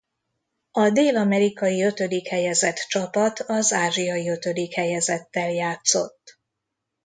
A dél-amerikai ötödik helyezett csapat az ázsiai ötödik helyezettel játszott.